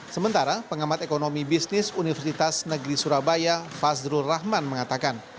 sementara pengamat ekonomi bisnis universitas negeri surabaya fazrul rahman mengatakan